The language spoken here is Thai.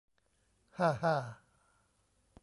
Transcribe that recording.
ฮ่า ฮ่า